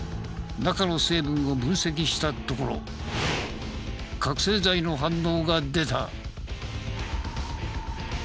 中の成分を分析したところ覚醒剤の反応が出た。